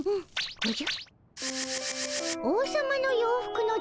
おじゃ！